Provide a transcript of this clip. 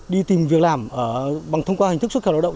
đi tìm việc làm bằng thông qua hình thức xuất khẩu lao động